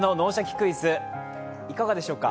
クイズ」、いかがでしょうか？